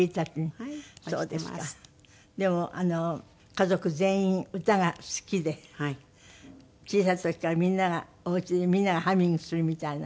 でも家族全員歌が好きで小さい時からみんながおうちでみんながハミングするみたいな。